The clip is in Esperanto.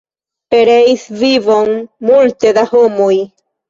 Pereis vivon multe da homoj.